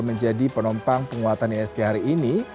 menjadi penompang penguatan iasg hari ini